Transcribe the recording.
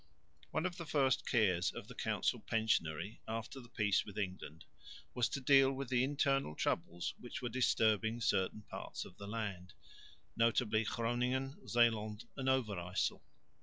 One of the first cares of the council pensionary after the peace with England was to deal with the internal troubles which were disturbing certain parts of the land, notably Groningen, Zeeland and Overyssel.